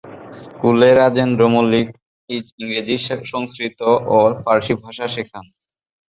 স্কুলে রাজেন্দ্র মল্লিক ইংরেজি, সংস্কৃত ও ফারসী ভাষা শেখেন।